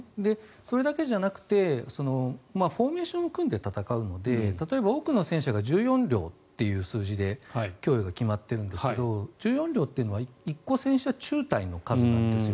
それだけじゃなくてフォーメーションを組んで戦うので多くの戦車が１４両という数で供与が決まっているんですが１４両というのは１個戦車中隊の数なんですよ。